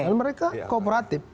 karena mereka kooperatif